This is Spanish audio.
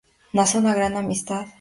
Nace una gran amistad.